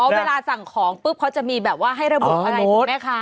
เวลาสั่งของปุ๊บเขาจะมีแบบว่าให้ระบุอะไรถูกไหมคะ